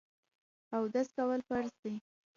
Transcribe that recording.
اودس کول فرض دي.